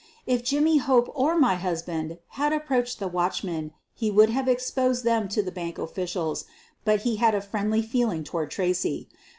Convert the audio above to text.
If Jimmy Hope or my husband had approached the watchman he would have exposed them to the bank officials, but he had a friendly feeling toward Tracy.